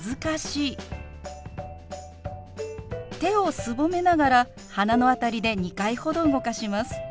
手をすぼめながら鼻の辺りで２回ほど動かします。